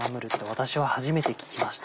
私は初めて聞きました。